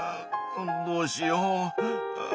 どうしよう。